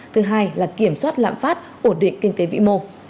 thứ hai là kiểm soát lạm phát ổn định kinh tế vĩ mô